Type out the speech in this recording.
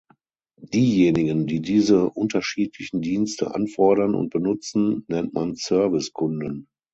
Diejenigen, die diese unterschiedlichen Dienste anfordern und benutzen, nennt man Service-Kunden.